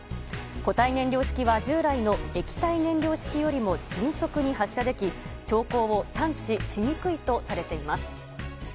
固体燃料式は従来の液体燃料式よりも迅速に発射でき兆候を探知しにくいとされています。